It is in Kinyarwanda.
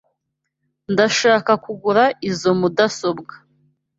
Ndashaka kugura izoi mudasobwa.